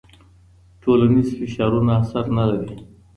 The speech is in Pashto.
ټولنیز فشارونه اثر نه لري.